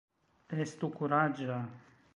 Estu kuraĝa!